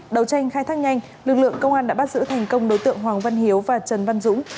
đầu tranh khai thác nhanh lực lượng công an đã bắt giữ thành công đối tượng hoàng văn hiếu và trần văn dũng